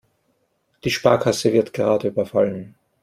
Die Sparkasse wird gerade überfallen.